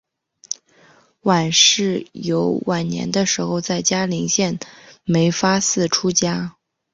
阮氏游晚年的时候在嘉林县梅发寺出家。